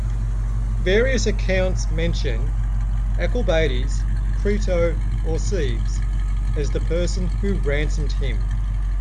Various accounts mention Alcibiades, Crito, or Cebes, as the person who ransomed him.